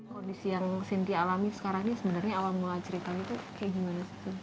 kondisi yang cynthia alami sekarang ini sebenarnya awal mengajarkan itu kayak gimana